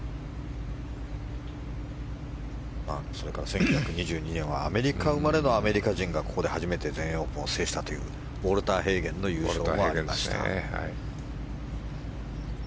それから１９２２年はアメリカ生まれのアメリカ人がここで初めて全英オープンを制したというウォルター・ヘーゲンの優勝もありました。